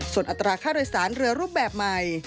ส่วนอัตราค่าโดยสารเรือรูปแบบใหม่